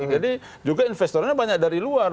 jadi juga investornya banyak dari luar